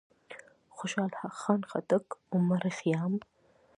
خوشحال خان خټک، عمر خيام،